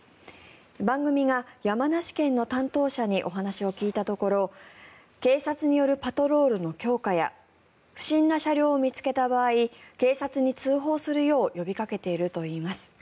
番組が山梨県の担当者にお話を聞いたところ警察によるパトロールの強化や不審な車両を見つけた場合警察に通報するよう呼びかけているといいます。